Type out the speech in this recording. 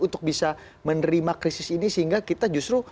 untuk bisa menerima krisis ini sehingga kita justru